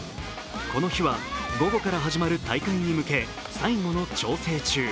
この日は午後から始まる大会に向け最後の調整中。